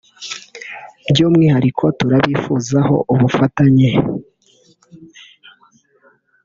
"By’umwihariko turabifuzaho ubufatanye